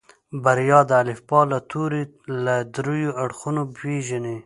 بريا د الفبا هر توری له دريو اړخونو پېژني.